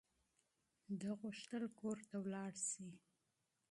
ده غوښتل کور ته ولاړ شي.